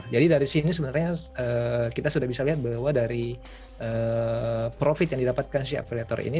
jadi dari sini sebenarnya kita sudah bisa lihat bahwa dari profit yang didapatkan si afiliator ini